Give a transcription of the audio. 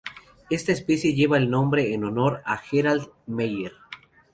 Esta especie lleva el nombre en honor a Harald Meier.